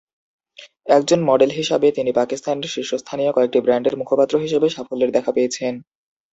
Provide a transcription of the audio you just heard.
একজন মডেল হিসাবে তিনি পাকিস্তানের শীর্ষস্থানীয় কয়েকটি ব্র্যান্ডের মুখপাত্র হিসাবে সাফল্যের দেখা পেয়েছেন।